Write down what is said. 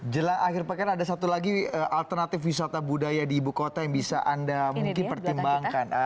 jelang akhir pekan ada satu lagi alternatif wisata budaya di ibu kota yang bisa anda mungkin pertimbangkan